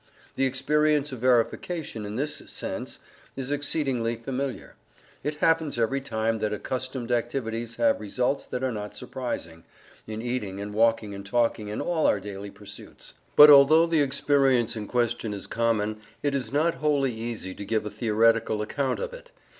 The experience of verification in this sense is exceedingly familiar; it happens every time that accustomed activities have results that are not surprising, in eating and walking and talking and all our daily pursuits. But although the experience in question is common, it is not wholly easy to give a theoretical account of it.